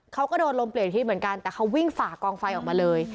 เขาก็โดนลมเปลี่ยนทิศเหมือนกันแต่เขาวิ่งฝ่ากองไฟออกมาเลย